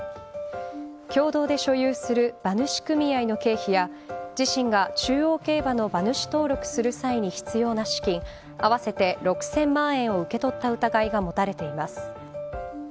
共同で所有する馬主組合の経費や自身が中央競馬の馬主登録する際に必要な資金合わせて６０００万円を受け取った疑いが持たれています。